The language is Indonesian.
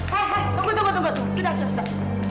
hei tunggu tunggu tunggu sudah sudah sudah